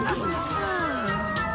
はあ。